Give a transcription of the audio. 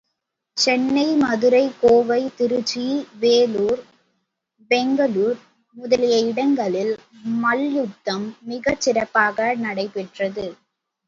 சென்னை, மதுரை, கோவை, திருச்சி, வேலூர், பெங்களுர் முதலிய இடங்களில் மல்யுத்தம் மிகச்சிறப்பாக நடைபெற்றது.